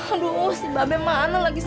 aduh si babe mana lagi